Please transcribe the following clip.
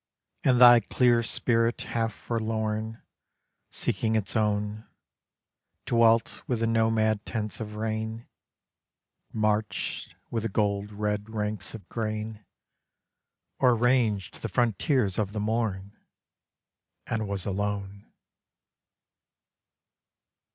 And thy clear spirit, half forlorn, Seeking its own, Dwelt with the nomad tents of rain, Marched with the gold red ranks of grain, Or ranged the frontiers of the morn, And was alone.